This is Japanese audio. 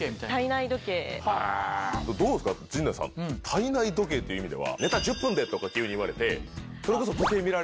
体内時計っていう意味ではネタ１０分でとか急に言われてそれこそ。